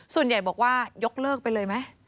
ส่วนใหญ่บอกว่ายกเลิกไปเลยไหม